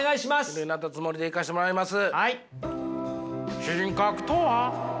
ミルになったつもりでいかしてもらいます。